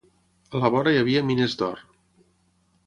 A la vora hi havia mines d'or.